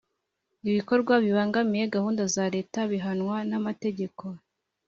Ibikorwa bibangamira gahunda za leta bihanwa n’amategeko